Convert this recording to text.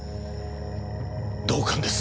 同感です。